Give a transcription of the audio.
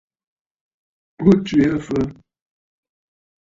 O tswe aa fa?